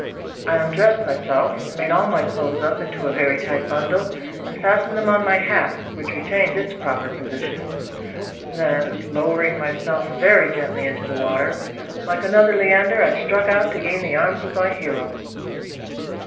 I undressed myself, made all my clothes up into a very tight bundle, and fastened them on my hat, which retained its proper position; then, lowering myself very gently into the water, like another Leander I struck out to gain the arms of my Hero.